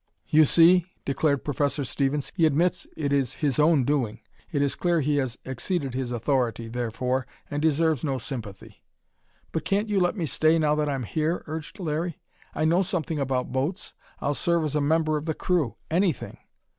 "You see!" declared Professor Stevens. "He admits it is his own doing. It is clear he has exceeded his authority, therefore, and deserves no sympathy." "But can't you let me stay, now that I'm here?" urged Larry. "I know something about boats. I'll serve as a member of the crew anything."